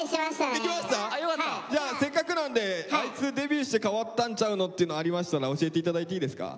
じゃあせっかくなんで「あいつデビューして変わったんちゃうの？」っていうのありましたら教えて頂いていいですか。